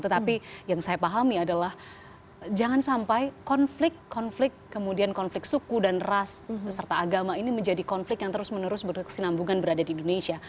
tetapi yang saya pahami adalah jangan sampai konflik konflik kemudian konflik suku dan ras serta agama ini menjadi konflik yang terus menerus berkesinambungan berada di indonesia